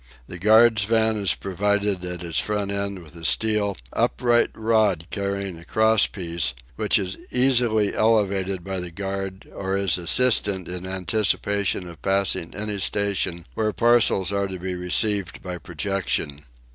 The guard's van is provided at its front end with a steel, upright rod carrying a cross piece, which is easily elevated by the guard or his assistant in anticipation of passing any station where parcels are to be received by projection.